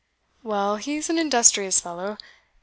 "Well, he's an industrious fellow.